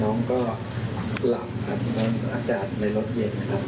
น้องก็หลับครับเหมือนว่ากันในรถเย็นครับ